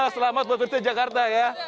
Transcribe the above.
selamat buat berjaya jakarta ya